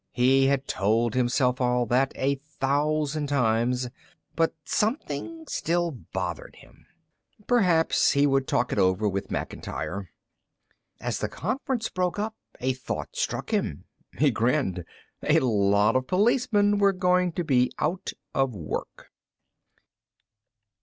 He had told himself all that a thousand times, but something still bothered him. Perhaps he would talk it over with Macintyre. As the conference broke up, a thought struck him. He grinned. A lot of policemen were going to be out of work!